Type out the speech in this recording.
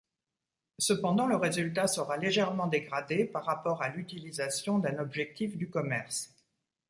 Cependant le résultat sera légèrement dégradé par rapport à l'utilisation d'un objectif du commerce.